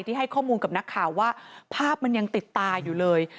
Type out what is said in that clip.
ให้ข้อมูลกับนักข่าวว่าภาพมันยังติดตาอยู่เลย